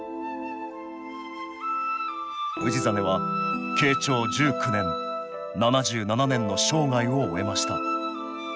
氏真は慶長１９年７７年の生涯を終えました